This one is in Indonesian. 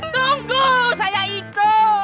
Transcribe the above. tunggu tunggu saya ikut